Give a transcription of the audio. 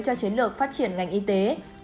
cho chiến lược phát triển ngành y tế